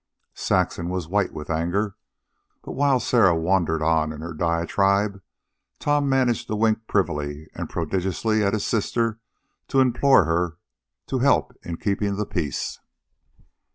Saxon was white with anger, but while Sarah wandered on in her diatribe, Tom managed to wink privily and prodigiously at his sister and to implore her to help in keeping the peace.